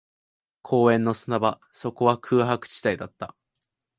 公園の砂場、そこは空白地帯だった